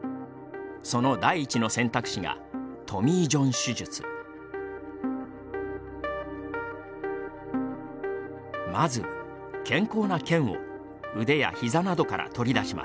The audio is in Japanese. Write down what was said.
その第一の選択肢がまず健康な腱を腕やひざなどから取り出します。